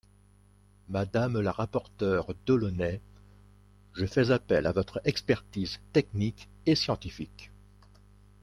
Madame la rapporteure Delaunay, je fais appel à votre expertise technique et scientifique.